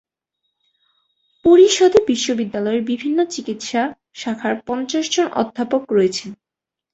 পরিষদে বিশ্ববিদ্যালয়ের বিভিন্ন চিকিৎসা শাখার পঞ্চাশ জন অধ্যাপক রয়েছেন।